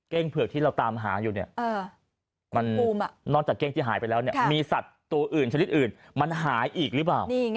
เผือกที่เราตามหาอยู่เนี่ยนอกจากเก้งที่หายไปแล้วเนี่ยมีสัตว์ตัวอื่นชนิดอื่นมันหายอีกหรือเปล่า